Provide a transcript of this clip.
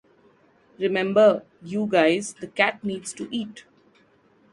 Remember, you guys, the cat needs to eat!